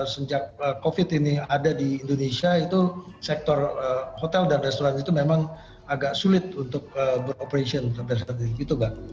sejak covid ini ada di indonesia itu sektor hotel dan restoran itu memang agak sulit untuk beroperasi